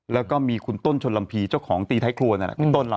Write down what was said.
แล้วก็มีคุณต้นชนรัมพรีเจ้าของตีไทยครัวน่ะแหละ